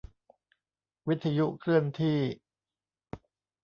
วิทยุเคลื่อนที่